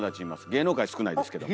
芸能界少ないですけど。